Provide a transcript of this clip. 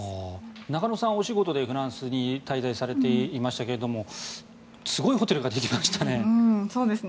中野さんお仕事でフランスに滞在されていましたけれどもすごいホテルができましたね。